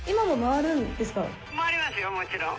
回りますよ、もちろん。